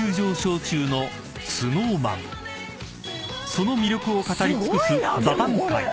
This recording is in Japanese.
［その魅力を語り尽くす］